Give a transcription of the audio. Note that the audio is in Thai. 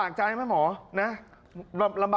ขอบคุณครับ